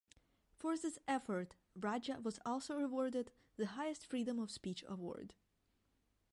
For this effort Raja was also rewarded the highest Freedom of Speech award.